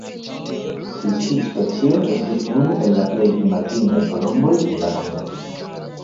Tiu ĉi specio estis unu el la plej rimarkindaj kolomboj en la mondo.